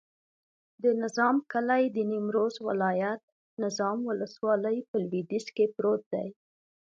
د نظام کلی د نیمروز ولایت، نظام ولسوالي په لویدیځ کې پروت دی.